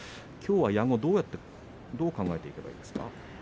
矢後はどう考えていけばいいですか？